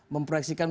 jadi kita lihat